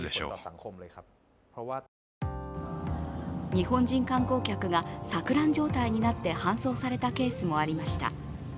日本人観光客が錯乱状態になって搬送されたケースもありました。